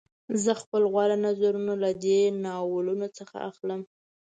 زه خپل غوره نظرونه له دې ناولونو څخه اخلم